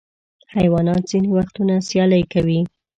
حیوانات ځینې وختونه سیالۍ کوي.